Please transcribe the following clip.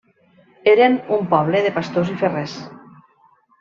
Eren un poble de pastors i ferrers.